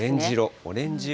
オレンジ色。